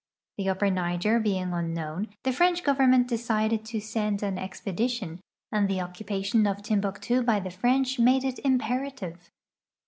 The upper Niger being unknown, the French government decided to send an expedition, and the occupation of Timbuktu by the French made it imperative.